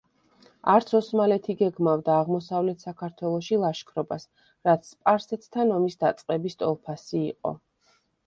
არც ოსმალეთი გეგმავდა აღმოსავლეთ საქართველოში ლაშქრობას, რაც სპარსეთთან ომის დაწყების ტოლფასი იყო.